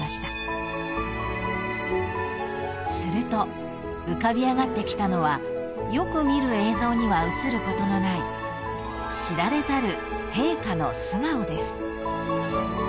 ［すると浮かび上がってきたのはよく見る映像には映ることのない知られざる］